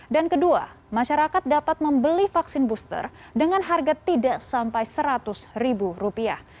dan kedua masyarakat dapat membeli vaksin booster dengan harga tidak sampai seratus ribu rupiah